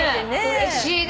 うれしいね。